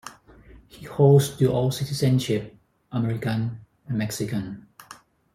He holds dual citizenship - American and Mexican.